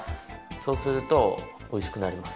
そうするとおいしくなります。